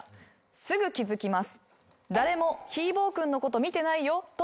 「すぐ気付きます」